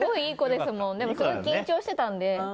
でもすごく緊張していたので。